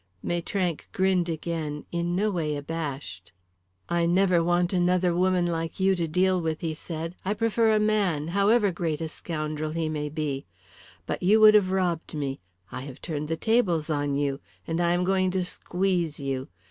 Maitrank grinned again, in no way abashed. "I never want another woman like you to deal with," he said. "I prefer a man, however great a scoundrel he may be. But you would have robbed me; I have turned the tables on you. And I am going to squeeze you.